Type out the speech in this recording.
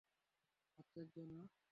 আশ্চর্য, না?